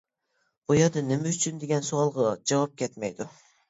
بۇ يەردە نېمە ئۈچۈن دېگەن سوئالغا جاۋاب كەتمەيدۇ.